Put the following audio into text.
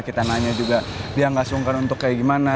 kita nanya juga dia nggak sungkan untuk kayak gimana